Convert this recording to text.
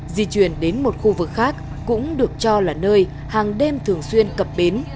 di chuyển đến một khu vực khác cũng được cho là nơi hàng đêm thường xuyên cập bến